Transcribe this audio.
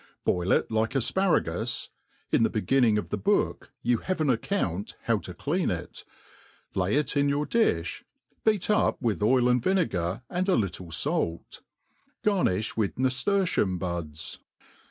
Boil it like afparagus (in the beginning of the book you have an account how to clean it] ; lay it in your diib, beat up with ofl and vinegar, and a little fait, Garni^ with naftertium buds.